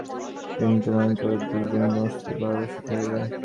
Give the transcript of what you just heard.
কিন্তু ভয়ঙ্কর ও দুঃখজনক বস্তুকেও ভালবাসিতে হইবে।